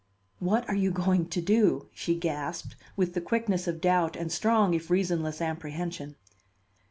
"What are you going to do?" she gasped, with the quickness of doubt and strong if reasonless apprehension.